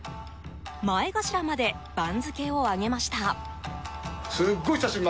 前頭まで番付を上げました。